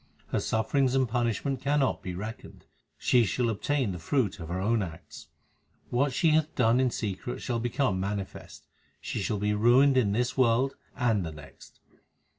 Her sufferings and punishment cannot be reckoned ; she shall obtain the fruit of her own acts What she hath done in secret shall become manifest ; she shall be ruined in this world and the next.